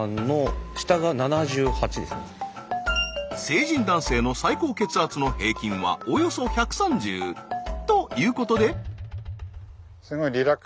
成人男性の最高血圧の平均はおよそ１３０。ということで。